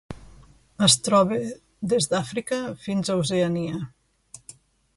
Es troba des d'Àfrica fins a Oceania.